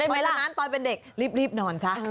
เพราะฉะนั้นตอนเป็นเด็กรีบนอนซะ